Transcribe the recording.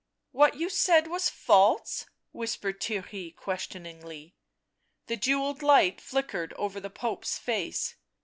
"What you said was false V' whispered Theirry, questioning. The jewelled light flickered over the Pope's face.